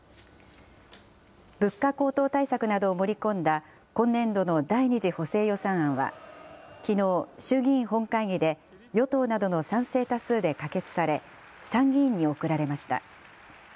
物価高騰対策などを盛り込んだ今年度の第２次補正予算案は、きのう、衆議院本会議で与党などの賛成多数で可決され、参議院に送られました。